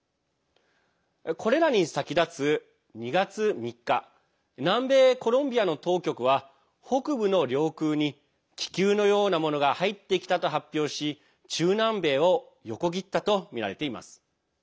これらに先立つ２月３日南米コロンビアの当局は北部の領空に気球のようなものが入ってきたと発表し中南米を横切ったとみられています。